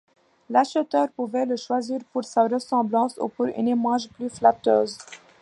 L'acheteur pouvait le choisir pour sa ressemblance ou pour une image plus flatteuse.